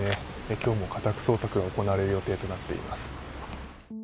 今日も家宅捜索が行われる予定となっています。